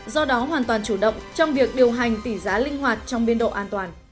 do đó hoàn toàn chủ động trong việc điều hành tỷ giá linh hoạt trong biên độ an toàn